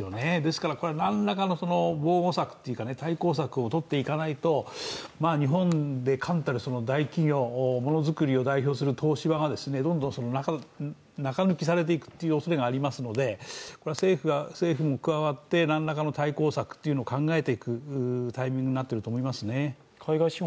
ですから、何らかの防護策、対抗策をとっていかないと日本で冠たる大企業ものづくりを代表する東芝がどんどん中抜きされていくおそれがありますので政府も加わって何らかの対抗策を考えていくタイミングになっていると思いますね。